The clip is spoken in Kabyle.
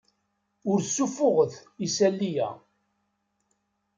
Ur ssuffuɣet isali-a.